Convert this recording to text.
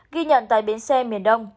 ghi nhận tại biến xe miền đông